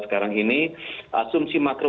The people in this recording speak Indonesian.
sekarang ini asumsi makro